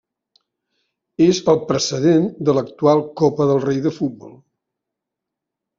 És el precedent de l'actual Copa del Rei de futbol.